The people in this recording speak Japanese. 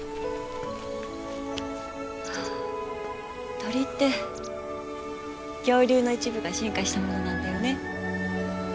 鳥って恐竜の一部が進化したものなんだよね。